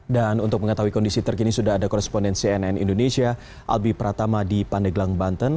dan untuk mengetahui kondisi terkini sudah ada koresponden cnn indonesia albi pratama di pandeglang banten